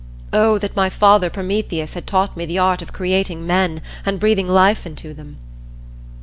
Oh, that my father Prometheus had taught me the art of creating men and breathing life into them!"